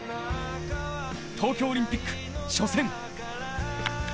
東京オリンピック初戦。